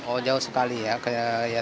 oh jauh sekali ya